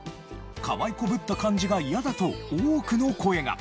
かわいこぶった感じが嫌だと多くの声が。